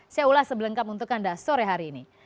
saya ulas sebelengkap untuk anda sore hari ini